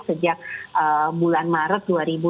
sejak bulan maret